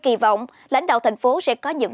kỳ vọng lãnh đạo thành phố sẽ có những